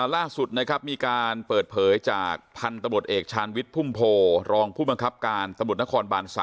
ล่าสุดมีการเปิดเผยจากพันธุ์ตะบดเอกชานวิทย์พุ่มโพรองค์ผู้บังคับการตะบดนครบาล๓